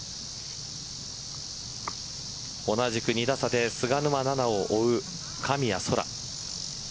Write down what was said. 同じく２打差で菅沼菜々を追う神谷そら。